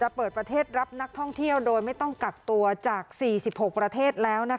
เปิดประเทศรับนักท่องเที่ยวโดยไม่ต้องกักตัวจาก๔๖ประเทศแล้ว